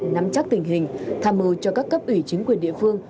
nắm chắc tình hình tham mưu cho các cấp ủy chính quyền địa phương